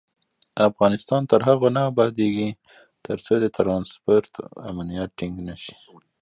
افغانستان تر هغو نه ابادیږي، ترڅو د ترانسپورت امنیت ټینګ نشي.